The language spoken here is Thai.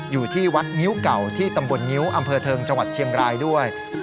อยู่ที่วัดงิ้วเก่าที่ตำบลงิ้วอำเภอเทิงจังหวัดเชียงรายด้วย